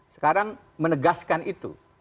sekarang menegaskan itu